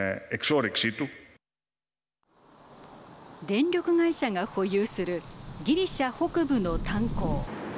電力会社が保有するギリシャ北部の炭鉱。